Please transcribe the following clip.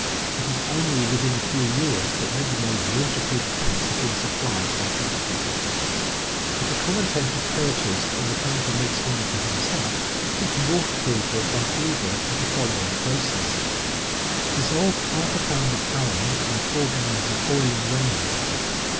It is only within a few years that ready made waterproof tents have been supplied by outfitters. ^, If a common tent is purchased, or p the camper makes one for himself, he can waterproof it by either of the following processes: Dissolve ^ pound of alum in 4 gallons of boiling rain water.